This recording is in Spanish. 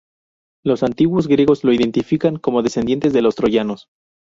Los antiguos griegos los identificaban como descendientes de los troyanos.